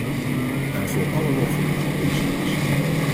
Daarvoor alle lof voor u, commissaris.